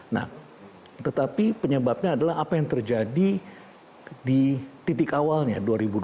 nah tetapi penyebabnya adalah apa yang terjadi di titik awalnya dua ribu dua puluh